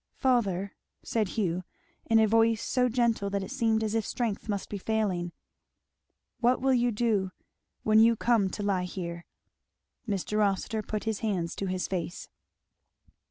"Father " said Hugh, in a voice so gentle that it seemed as if strength must be failing, "what will you do when you come to lie here?" Mr. Rossitur put his hands to his face.